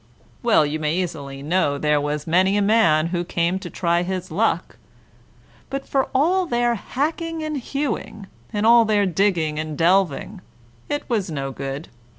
Well, you may easily know there was many a man who came to try his luck; but for all their hacking and hewing, and all their digging and delving, it was no good.